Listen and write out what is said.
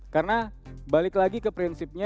karena balik lagi ke prinsipnya